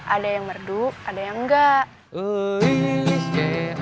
ada yang merdu ada yang enggak